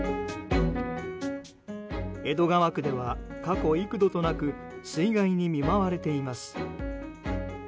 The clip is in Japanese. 江戸川区では過去、幾度となく水害に見舞われています。